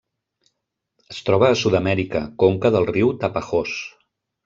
Es troba a Sud-amèrica: conca del riu Tapajós.